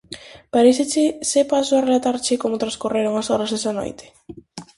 Paréceche se paso a relatarche como transcorreron as horas esa noite?